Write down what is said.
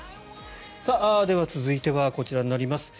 では、続いてはこちらになります。